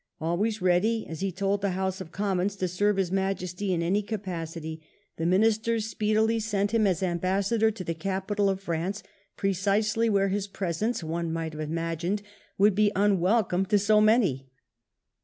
Always ready, as he told the House of Commons, to serve his Majesty in any capacit}'^, the Ministers speedily sent him as ambassador to the capital of France, precisely where his presence, one might have imagined, would be unwelcome to so many.